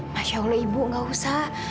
masya allah ibu gak usah